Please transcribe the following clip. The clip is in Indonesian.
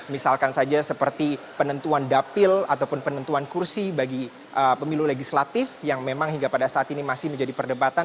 misalkan saja seperti penentuan dapil ataupun penentuan kursi bagi pemilu legislatif yang memang hingga pada saat ini masih menjadi perdebatan